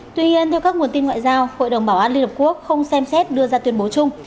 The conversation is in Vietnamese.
tuy nhiên theo các nguồn tin ngoại giao hội đồng bảo an liên hợp quốc không xem xét đưa ra tuyên bố chung